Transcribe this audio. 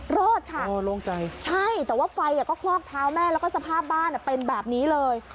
รอดค่ะโล่งใจใช่แต่ว่าไฟก็คลอกเท้าแม่แล้วก็สภาพบ้านเป็นแบบนี้เลย